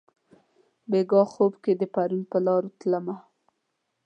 بیګاه خوب کښي د پرون پرلارو تلمه